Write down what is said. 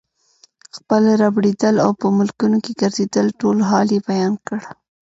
خپل ربړېدل او په ملکونو کې ګرځېدل ټول حال یې بیان کړ.